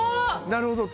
なるほど。